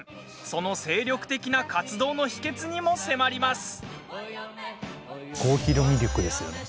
その精力的な活動の秘けつにも迫ります。